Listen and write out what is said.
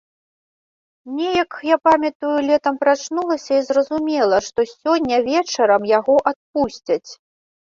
Неяк, я памятаю, летам прачнулася і зразумела, што сёння вечарам яго адпусцяць.